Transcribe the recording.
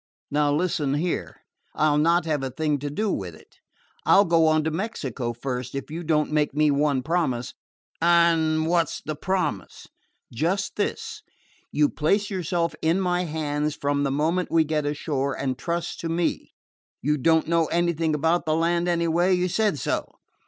"Now listen here: I 'll not have a thing to do with it. I 'll go on to Mexico first, if you don't make me one promise." "And what 's the promise?" "Just this: you place yourself in my hands from the moment we get ashore, and trust to me. You don't know anything about the land, anyway you said so.